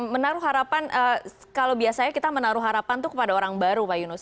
menaruh harapan kalau biasanya kita menaruh harapan itu kepada orang baru pak yunus